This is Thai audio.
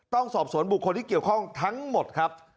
ต้องสอบสวนบุคคลที่เกี่ยวข้องทั้งหมดครับ